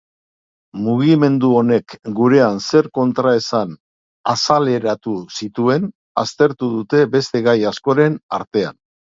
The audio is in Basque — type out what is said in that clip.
Mugimendu honek gurean zer kontraesan azaleratu zituen aztertu dute beste gai askoren artean.